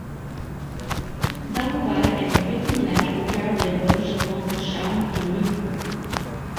Xaronval est un petit village au cœur des Vosges entre Charmes et Mirecourt.